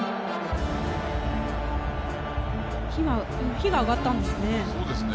火が上がったんですね。